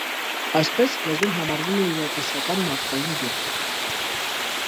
Այսպես, լեզուն համարվում է իրատեսական մարդկային գյուտ։